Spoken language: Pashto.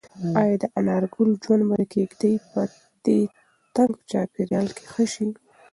ایا د انارګل ژوند به د کيږدۍ په دې تنګ چاپیریال کې ښه شي؟